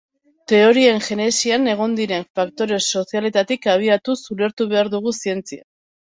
Teorien genesian egon diren faktore sozialetatik abiatuz ulertu behar dugu zientzia.